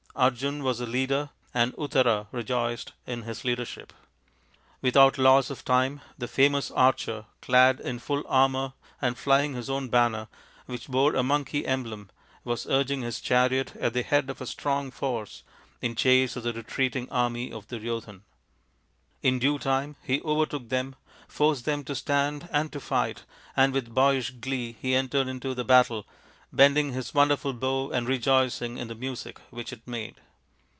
Arjun was the leader, and Uttara rejoiced in his leadership. Without loss of time the famous THE FIVE TALL SONS OF PANDU 97 archer, clad in full armour and flying his own banner, which bore a monkey emblem, was urging his chariot at the head of a strong force in chase of the retreating army of Duryodhan. In due time he overtook them, forced them to stand and to fight, and with boyish glee he entered into the battle, bending his wonderful bow and rejoicing in the music which it made.